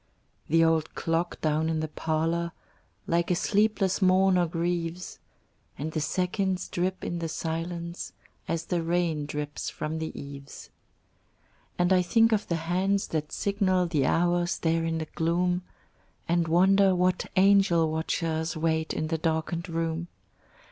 The old clock down in the parlor Like a sleepless mourner grieves, And the seconds drip in the silence As the rain drips from the eaves. And I think of the hands that signal The hours there in the gloom, And wonder what angel watchers Wait in the darkened room.